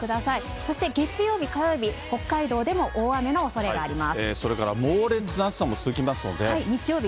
そして月曜日、火曜日、北海道でも大雨のおそれがあります。